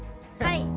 はい。